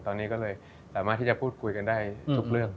ตอนนี้ก็เลยสามารถที่จะพูดคุยกันได้ทุกเรื่อง